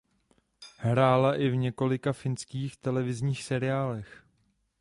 Hrála i v několika finských televizních seriálech.